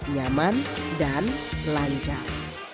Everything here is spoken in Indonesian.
nyaman dan lancar